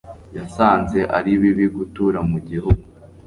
Yasanze ari bibi gutura mu gihugu